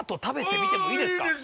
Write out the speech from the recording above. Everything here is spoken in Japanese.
食べてみてもいいですか？